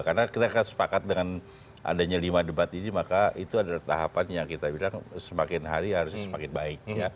karena kita kan sepakat dengan adanya lima debat ini maka itu adalah tahapan yang kita bilang semakin hari harusnya semakin baik